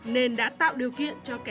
nên đã tạo điều kiện cho kẻ